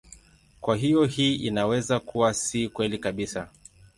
Kwa hiyo hii inaweza kuwa si kweli kabisa.